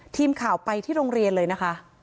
ทีมข่าวไปที่โรงเรียนเลยนะคะ